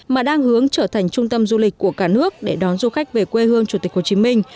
mà đang hướng trở thành trung tâm du lịch của cả nước để đón du khách về quê hương chủ tịch hồ chí minh